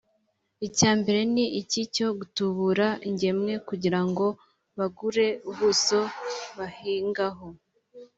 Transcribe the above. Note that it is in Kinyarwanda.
icya mbere ni iki cyo gutubura ingemwe kugira ngo bagure ubuso bahingaho